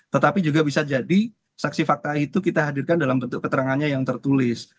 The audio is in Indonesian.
tetapi juga bisa jadi saksi fakta itu kita hadirkan dalam bentuk keterangannya yang tertulis